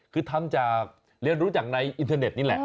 คือทำจากเรียนรู้จากในอินเทอร์เน็ตนี่แหละ